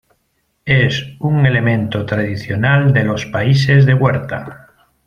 Es un elemento tradicional de los países de huerta.